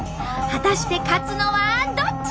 果たして勝つのはどっち！？